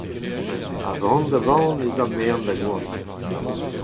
A-van-da-van ez a merenn da goan.